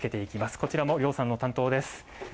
こちらも諒さんの担当です。